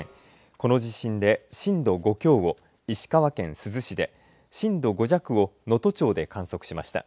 この地震で震度５強を石川県珠洲市で震度５弱を能登町で観測しました。